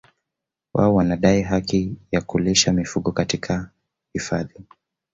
Wao wanadai haki ya kulisha mifugo katika katika hifadhi